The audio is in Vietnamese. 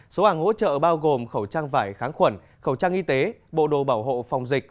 số hàng hỗ trợ bao gồm khẩu trang vải kháng khuẩn khẩu trang y tế bộ đồ bảo hộ phòng dịch